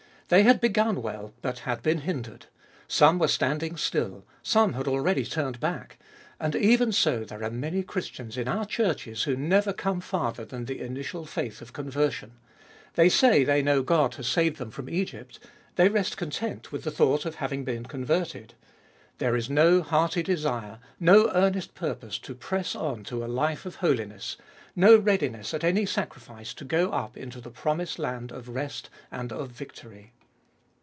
They had begun well, but had been hindered. Some were standing still ; some had already turned back. And even so there are many Christians in our churches who never come farther than the initial faith of conversion. They say they know God has saved them from Egypt. They rest content with the thought of having been converted. There is no hearty desire, no earnest purpose to press on to a life of holiness, no readiness at any sacrifice to go up into the promised land of rest and of victory.